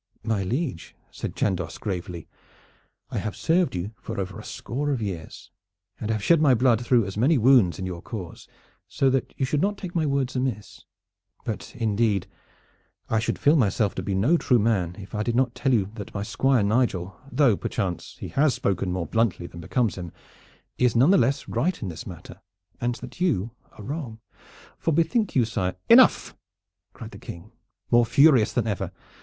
"My liege," said Chandos gravely, "I have served you for over a score of years, and have shed my blood through as many wounds in your cause, so that you should not take my words amiss. But indeed I should feel myself to be no true man if I did not tell you that my Squire Nigel, though perchance he has spoken more bluntly than becomes him, is none the less right in this matter, and that you are wrong. For bethink you, sire " "Enough!" cried the King, more furious than ever.